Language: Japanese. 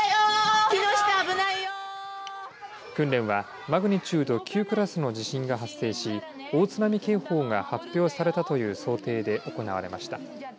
訓練はマグニチュード９クラスの地震が発生し大津波警報が発表されたという想定で行われました。